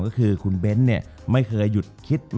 จบการโรงแรมจบการโรงแรม